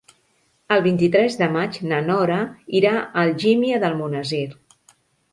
El vint-i-tres de maig na Nora irà a Algímia d'Almonesir.